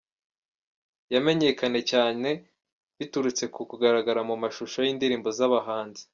Yamenyekanye cyane biturutse ku kugaragara mu mashusho y’indirimbo z’abahanzi.